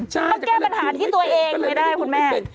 ใช่แต่ก็เลยดูไม่เป็นไม่ได้คุณแม่แก้ปัญหาที่ตัวเองไม่ได้คุณแม่